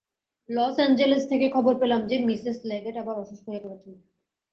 Loss Angeles থেকে খবর পেলাম যে, মিসেস লেগেট আবার অসুস্থ হয়ে পড়েছেন।